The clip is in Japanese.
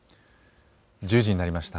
１０時になりました。